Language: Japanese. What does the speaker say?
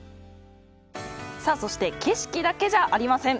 さあそして景色だけじゃありません！